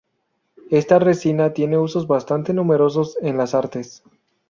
Esta resina tiene usos bastante numerosos en las artes.